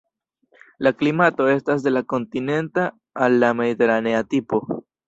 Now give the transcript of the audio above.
La klimato estas de la kontinenta al la mediteranea tipo.